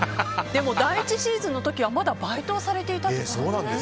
でも、第１シーズンの時はまだバイトをされていたと。